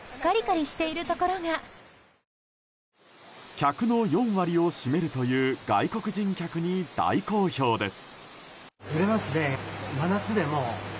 客の４割を占めるという外国人客に大好評です。